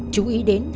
chú ý đến